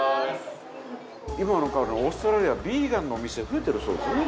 今はかなりオーストラリアヴィーガンのお店増えてるそうですね。